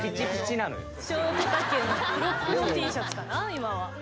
今は。